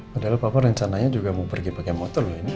padahal papa rencananya juga mau pergi pakai motor loh ini